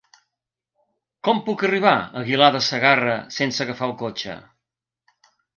Com puc arribar a Aguilar de Segarra sense agafar el cotxe?